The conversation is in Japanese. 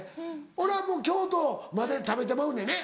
俺はもう京都までで食べてまうねんね。